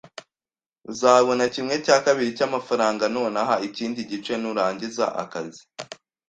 Uzabona kimwe cya kabiri cyamafaranga nonaha, ikindi gice nurangiza akazi.